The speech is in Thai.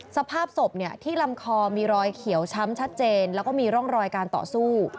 สภาพศพที่ลำคอมีรอยเขียวช้ำชัดเจนแล้วก็มีร่องรอยการต่อสู้